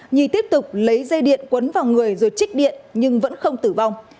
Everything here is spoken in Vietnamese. nhi tiếp tục lấy dây điện quấn vào người rồi trích điện nhưng vẫn không tử vong